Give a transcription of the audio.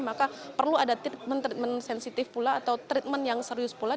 maka perlu ada treatment treatment sensitif pula atau treatment yang serius pula